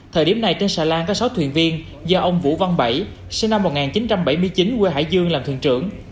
thời điểm này trên xà lan có sáu thuyền viên do ông vũ văn bảy sinh năm một nghìn chín trăm bảy mươi chín quê hải dương làm thuyền trưởng